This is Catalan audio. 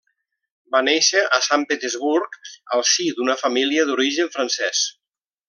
Va néixer a Sant Petersburg, al si d'una família d'origen francès.